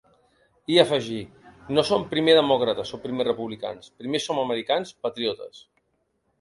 I afegí: No som primer demòcrates o primer republicans, primer som americans, patriotes.